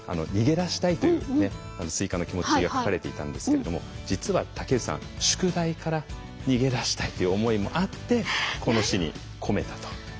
逃げ出したいというスイカの気持ちが書かれていたんですけれども実は竹内さん宿題から逃げ出したいという思いもあってこの詩に込めたと。